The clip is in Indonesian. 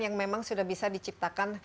yang memang sudah bisa diciptakan